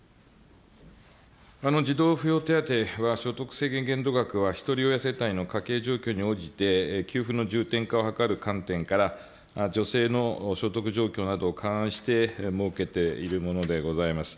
児童扶養手当は所得制限限度額は、ひとり親世帯の家計状況に応じて、給付の重点化を図る観点から、じょせいの所得状況などを勘案して、設けているものでございます。